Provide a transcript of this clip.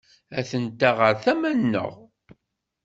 Atent-a ɣer tama-nneɣ.